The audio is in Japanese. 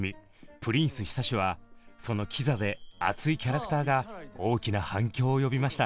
プリンス久志はそのキザで熱いキャラクターが大きな反響を呼びました。